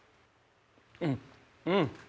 うんうん！